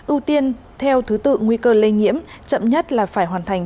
ưu tiên theo thứ tự nguy cơ lây nhiễm chậm nhất là phải hoàn thành